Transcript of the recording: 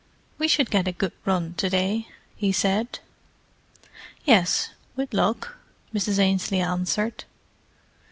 "We should get a good run to day," he said. "Yes—with luck," Mrs. Ainslie answered.